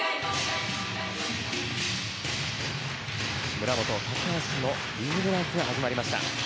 村元、高橋のリズムダンスが始まりました。